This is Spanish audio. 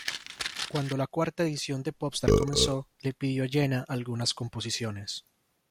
Cuando la cuarta edición de Popstars comenzó, le pidió a Jena algunas composiciones.